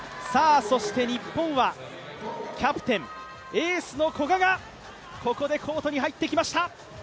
そして日本はキャプテンエースの古賀がここでコートに入ってきました。